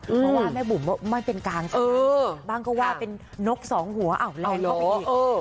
เพราะว่าแม่บุ๋มไม่เป็นกลางใช่ไหมบ้างก็ว่าเป็นนกสองหัวแรงเข้าไปอีก